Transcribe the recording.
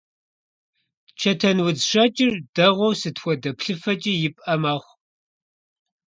Чэтэнудз щэкӀыр дэгъуэу сыт хуэдэ плъыфэкӀи ипӀэ мэхъу.